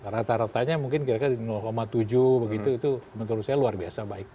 rata ratanya mungkin kira kira di tujuh begitu itu menurut saya luar biasa baik